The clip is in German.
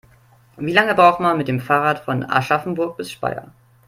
Wie lange braucht man mit dem Fahrrad von Aschaffenburg bis Speyer?